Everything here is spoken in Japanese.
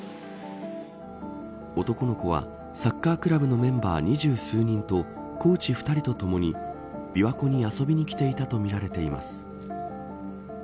男の子は、サッカークラブのメンバー二十数人とコーチ２人とともに琵琶湖に遊びに来ていたとみられています。